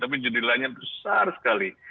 tapi jendela nya besar sekali